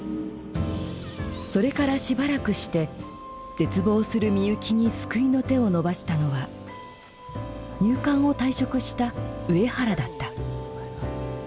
それからしばらくして絶望するミユキに救いの手を伸ばしたのは入管を退職した上原だった。